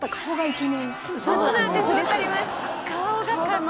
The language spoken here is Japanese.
そうなんです